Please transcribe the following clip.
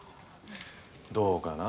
どうかな？